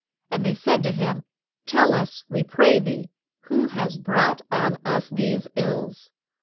And they said to him, Tell us, we pray thee, who has brought on us these ills.